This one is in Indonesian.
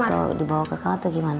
atau dibawa ke kawat atau gimana